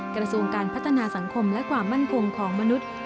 กระทรวงการพัฒนาสังคมและความมั่นคงของมนุษย์